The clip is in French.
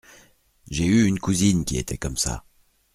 J’ai eu une cousine qui était comme ça.